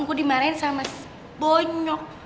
gua dimarahin sama si bonyok